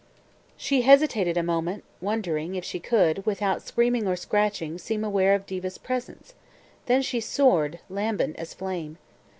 ..." She hesitated a moment wondering, if she could, without screaming or scratching, seem aware of Diva's presence. Then she soared, lambent as flame.